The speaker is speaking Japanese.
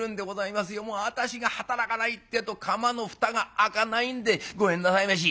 もう私が働かないってえと釜の蓋が開かないんでごめんなさいまし」。